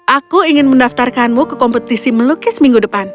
aku ingin mendaftarkanmu ke kompetisi melukis minggu depan